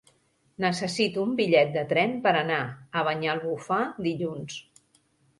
Necessito un bitllet de tren per anar a Banyalbufar dilluns.